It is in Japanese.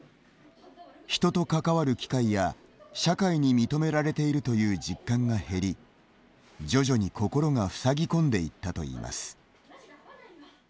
人と関わる機会や、社会に認められているという実感が減り徐々に心がふさぎこんでいったといいます。